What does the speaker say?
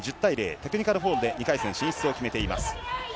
テクニカルフォールで２回戦進出を決めています。